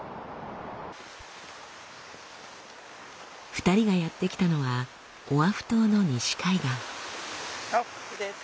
２人がやって来たのはオアフ島の西海岸。